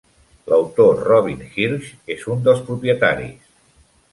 L'autor Robin Hirsch és un dels propietaris.